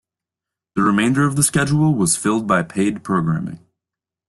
The remainder of the schedule was filled by paid programming.